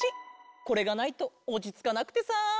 これがないとおちつかなくてさ。